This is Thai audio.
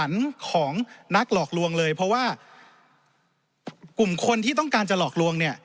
ของนักหลอกลวงเลยเพราะว่ากลุ่มคนที่ต้องการจะหลอกลวงเนี่ย